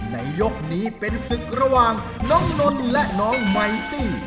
ในยกนี้เป็นศึกระหว่างน้องนนท์และน้องไมตี้